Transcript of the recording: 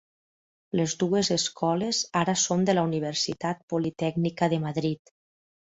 Les dues escoles ara són de la Universitat Politècnica de Madrid.